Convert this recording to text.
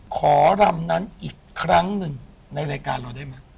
ขอรำนั้นอีกครั้งหนึ่งในรายการเราได้ไหม